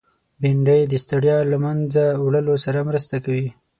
بېنډۍ د ستړیا له منځه وړلو سره مرسته کوي